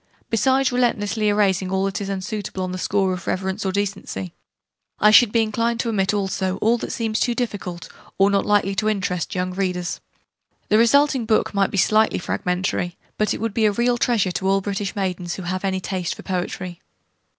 Besides relentlessly erasing all that is unsuitable on the score of reverence or decency, I should be inclined to omit also all that seems too difficult, or not likely to interest young readers. The resulting book might be slightly fragmentary: but it would be a real treasure to all British maidens who have any taste for poetry.